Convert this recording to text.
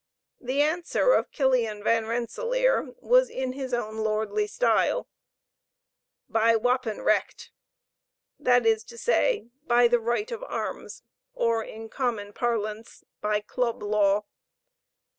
The answer of Killian Van Rensellaer was in his own lordly style, "By wapen recht!" that is to say, by the right of arms, or in common parlance, by club law.